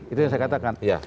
itu yang saya katakan